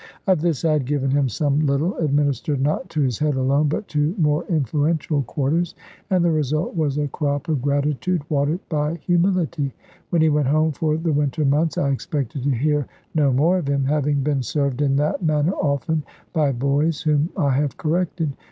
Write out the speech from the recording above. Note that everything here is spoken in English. Of this I had given him some little, administered not to his head alone, but to more influential quarters; and the result was a crop of gratitude watered by humility. When he went home for the winter months, I expected to hear no more of him, having been served in that manner often by boys whom I have corrected.